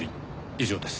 以上です。